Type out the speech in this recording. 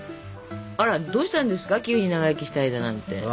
あらどうしたんですか急に長生きしたいだなんて。